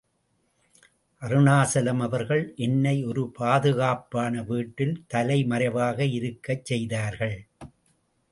அருணாசலம் அவர்கள் என்னை ஒரு பாதுகாப்பான வீட்டில் தலைமறைவாக இருக்கச் செய்தார்கள்.